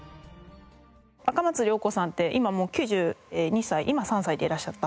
赤松良子さんって今もう９２歳今９３歳でいらっしゃったと思うんですけど。